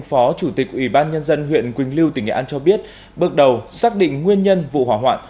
phó chủ tịch ủy ban nhân dân huyện quỳnh lưu tỉnh nghệ an cho biết bước đầu xác định nguyên nhân vụ hỏa hoạn